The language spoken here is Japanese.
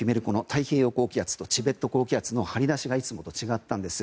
太平洋高気圧とチベット高気圧の張り出しがいつもと違ったんです。